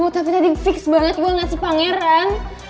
tapi tadi fix banget gue liat si pangeran